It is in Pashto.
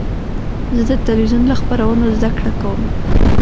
زه د تلویزیون له خپرونو زده کړه کوم.